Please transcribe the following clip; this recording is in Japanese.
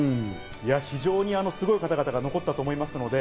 非常にすごい方々が残ったと思いますので。